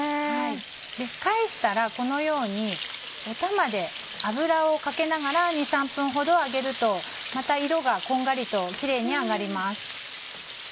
返したらこのようにお玉で油をかけながら２３分ほど揚げるとまた色がこんがりとキレイに揚がります。